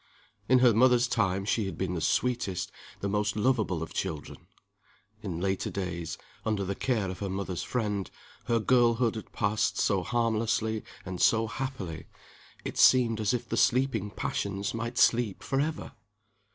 In her mother's time she had been the sweetest, the most lovable of children. In later days, under the care of her mother's friend, her girlhood had passed so harmlessly and so happily it seemed as if the sleeping passions might sleep forever!